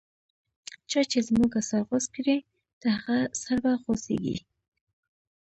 چا چی زموږه سر غوڅ کړی، د هغه سر به غو څیږی